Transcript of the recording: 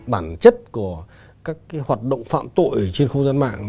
bản chất của các hoạt động phạm tội trên không gian mạng